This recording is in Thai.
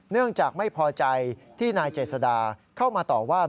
เนื่องจากไม่พอใจที่นายเจษดาเข้ามาต่อว่า